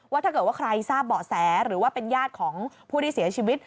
ถ้าเกิดว่าใครทราบเบาะแสหรือว่าเป็นญาติของผู้ที่เสียชีวิต